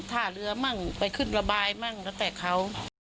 ท่าเรือมั่งไปขึ้นระบายมั่งแล้วแต่เขา